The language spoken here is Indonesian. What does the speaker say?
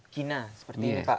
kina seperti ini pak